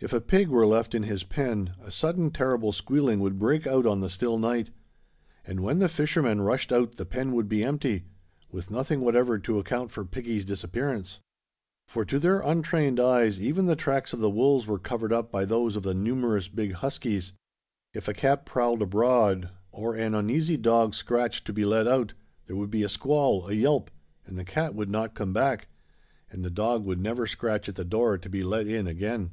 If a pig were left in his pen a sudden terrible squealing would break out on the still night; and when the fisherman rushed out the pen would be empty, with nothing whatever to account for piggie's disappearance. For to their untrained eyes even the tracks of the wolves were covered up by those of the numerous big huskies. If a cat prowled abroad, or an uneasy dog scratched to be let out, there would be a squall, a yelp, and the cat would not come back, and the dog would never scratch at the door to be let in again.